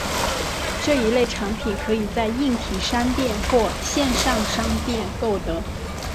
这一类产品可以在硬体商店或线上商店购得。